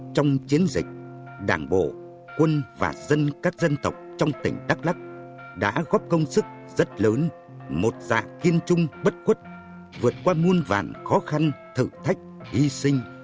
trong chiến dịch đảng bộ quân và dân các dân tộc trong tỉnh đắk lắc đã góp công sức rất lớn một dạ kiên trung bất quất vượt qua muôn vàn khó khăn thử thách hy sinh